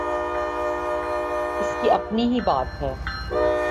اس کی اپنی ہی بات ہے۔